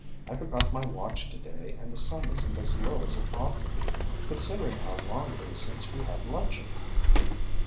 I forgot my watch to day and the sun is n't as low as it ought to be, considering how long it is since we had luncheon."